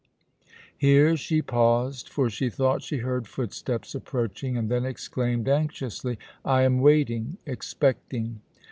'" Here she paused, for she thought she heard footsteps approaching, and then exclaimed anxiously: "I am waiting expecting.